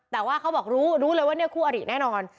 แต่ว่าเขาบอกรู้รู้เลยว่าเนี่ยคู่อริแน่นอน